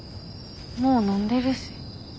もう飲んでるし。